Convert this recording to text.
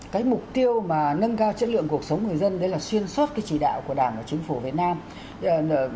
cái mục tiêu mà nâng cao chất lượng cuộc sống người dân đấy là xuyên suốt cái chỉ đạo của đảng và chính phủ việt nam